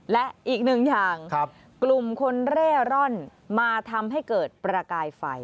และอีกหนึ่งอย่างกลุ่มคนเร่ร่อนมาทำให้เกิดประกายไฟ